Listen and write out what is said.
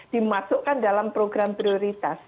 dimasukkan dalam program prioritas